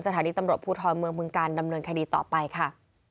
สถานีตำรวจภูทรเมืองบึงการดำเนินคดีต่อไปค่ะ